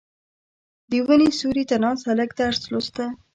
• د ونې سیوري ته ناست هلک درس لوسته.